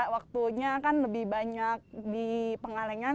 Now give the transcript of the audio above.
waktunya kan lebih banyak di pengalengan